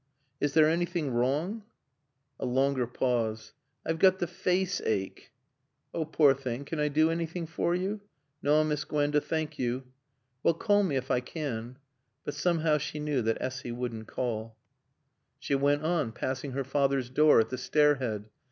"Is there anything wrong?" A longer pause. "I've got th' faace ache." "Oh, poor thing! Can I do anything for you?" "Naw, Miss Gwenda, thank yo." "Well, call me if I can." But somehow she knew that Essy wouldn't call. She went on, passing her father's door at the stair head.